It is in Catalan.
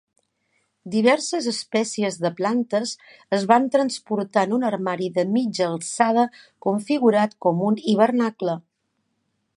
Diverses espècies de plantes es van transportar en un armari de mitja alçada configurat com un hivernacle.